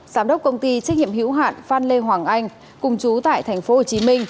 giám đốc công ty trách nhiệm hữu hạn phan lê hoàng anh cùng chú tại tp hcm